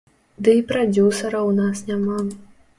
Ды і прадзюсара ў нас няма.